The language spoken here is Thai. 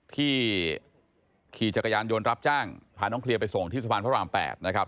ขี่จักรยานยนต์รับจ้างพาน้องเคลียร์ไปส่งที่สะพานพระราม๘นะครับ